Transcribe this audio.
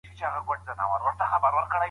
ملکیار هوتک د پښتو د کلاسیکې دورې ستوری دی.